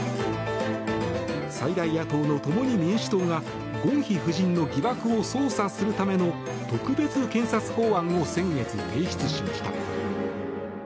最大野党の共に民主党がゴンヒ夫人の疑惑を捜査するための特別検察法案を先月、提出しました。